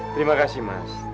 terima kasih mas